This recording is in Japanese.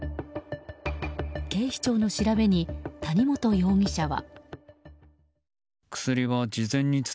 警視庁の調べに谷本容疑者は。